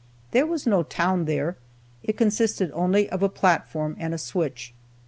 There was no town there, it consisted only of a platform and a switch.